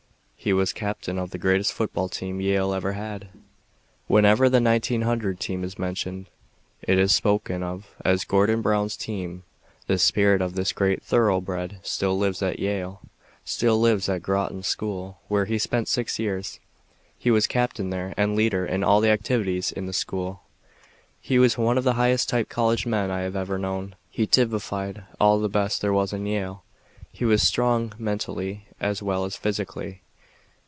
He was captain of the greatest football team Yale ever had. Whenever the 1900 team is mentioned it is spoken of as Gordon Brown's team. The spirit of this great thoroughbred still lives at Yale, still lives at Groton School where he spent six years. He was captain there and leader in all the activities in the school. He was one of the highest type college men I have ever known. He typified all the best there was in Yale. He was strong mentally, as well as physically.